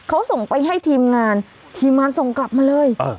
เขาส่งไปให้ทีมงานทีมงานส่งกลับมาเลย